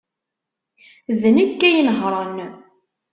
D nekk ay inehhṛen.